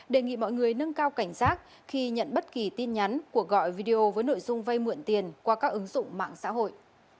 đề nghị mọi người nâng cao cảnh giác khi nhận bất kỳ tin nhắn của gọi video với nội dung vay mượn tiền qua các ứng dụng mạng xã hội